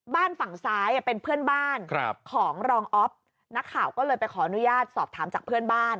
บ้านฝั่งซ้ายเป็นเพื่อนบ้านของรองอ๊อฟนักข่าวก็เลยไปขออนุญาตสอบถามจากเพื่อนบ้าน